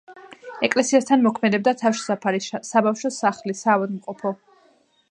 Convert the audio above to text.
ეკლესიასთან მოქმედებდა, თავშესაფარი, საბავშვო სახლი, საავადმყოფო.